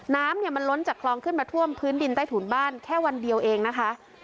น้ำมันล้นจากคลองขึ้นมาท่วมพื้นดินใต้ถุนบ้านแค่วันเดียวเองนะคะ